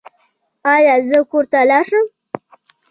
ایا زه کور ته لاړ شم؟